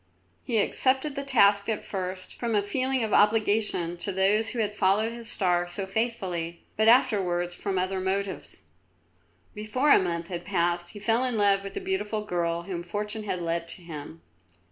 He had accepted the task at first from a feeling of obligation to those who had followed his star so faithfully, but afterwards from other motives. Before a month had passed he fell in love with the beautiful girl whom Fortune had led to him.